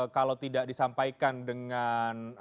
kalau tidak disampaikan dengan